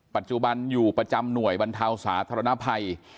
ปัจจุบันอยู่ประจำหน่วยบรรเทาสาธารณภัย